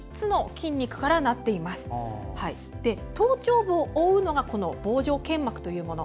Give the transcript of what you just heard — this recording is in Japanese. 頭頂部を覆うのが帽状腱膜というもの。